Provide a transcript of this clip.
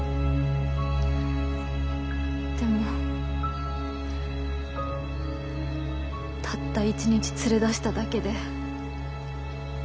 でもたった一日連れ出しただけで。